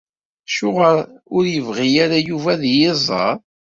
Acuɣeṛ ur yebɣi ara Yuba ad yi-iẓeṛ?